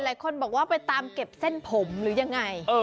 หลายคนบอกว่าไปตามเก็บเส้นผมหรือยังไง